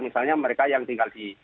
misalnya mereka yang tinggal di